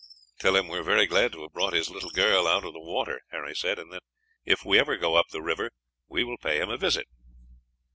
"Tell him we are very glad to have brought his little girl out of the water," Harry said, "and that if we ever go up the river, we will pay him a visit."